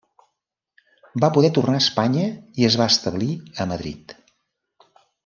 Va poder tornar a Espanya i es va establir a Madrid.